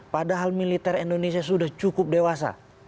padahal militer indonesia sudah cukup dewasa